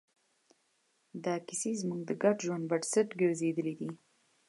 دا کیسې زموږ د ګډ ژوند بنسټ ګرځېدلې دي.